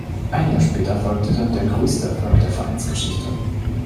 Ein Jahr später folgte dann der größte Erfolg der Vereinsgeschichte.